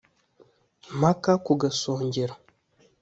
Mpaka ku gasongero